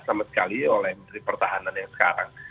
sama sekali oleh menteri pertahanan yang sekarang